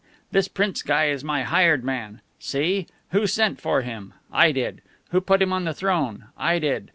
This Prince guy is my hired man. See? Who sent for him? I did. Who put him on the throne? I did.